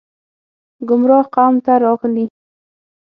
ګمراه قوم ته راغلي